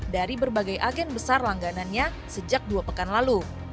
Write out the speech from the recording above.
dari berbagai agen besar langganannya sejak dua pekan lalu